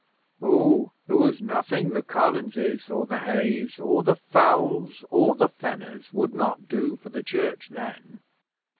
(Oh, there was nothing the Collinses, or the Hayes, or the Fowles, or the Fenners would not do for the church then!